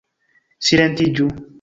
Silentiĝu!